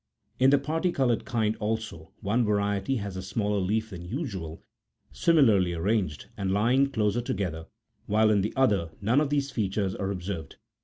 In the parti coloured kind, also, one variety has a smaller leaf than usual, similarly arranged, and lying closer together, while in the other none of these features are observed.